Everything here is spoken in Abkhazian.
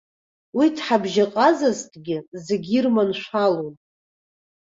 Уи дҳабжьаҟазазҭгьы, зегьы ирманшәалон.